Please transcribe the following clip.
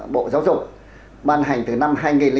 bộ giáo dục ban hành từ năm hai nghìn tám